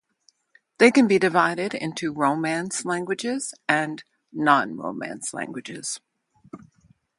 They can be divided into Romance languages and non-Romance languages.